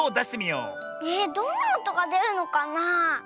えどんなおとがでるのかなあ。